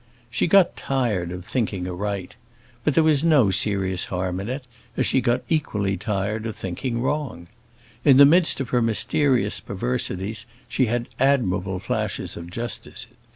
She got tired of thinking aright; but there was no serious harm in it, as she got equally tired of thinking wrong. In the midst of her mysterious perversities she had admirable flashes of justice.